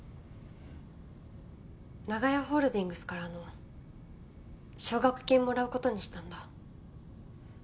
長屋ホールディングスからの奨学金もらう事にしたんだ。